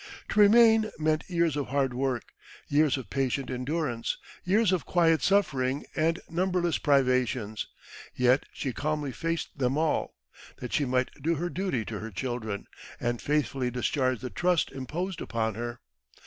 To remain meant years of hard work, years of patient endurance, years of quiet suffering and numberless privations; yet she calmly faced them all, that she might do her duty to her children, and faithfully discharge the trust imposed upon her.